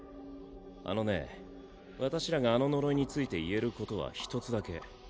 あのね私らがあの呪いについて言えることは一つだけ。